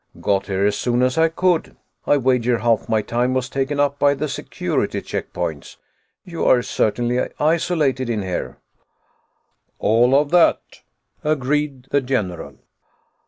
"Got here as soon as I could. I wager half my time was taken up by the security check points. You are certainly isolated in here." "All of that," agreed the general.